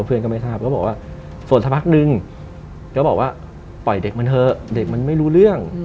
เพื่อนก็ไม่ทราบก็บอกว่าส่วนสักพักนึงก็บอกว่าปล่อยเด็กมันเถอะเด็กมันไม่รู้เรื่อง